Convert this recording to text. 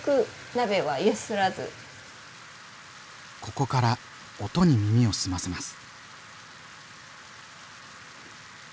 ここから音に耳を澄ませます。